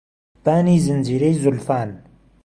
بانی زنجيرەی زولفان